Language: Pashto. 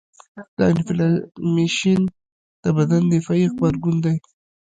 د انفلامیشن د بدن دفاعي غبرګون دی.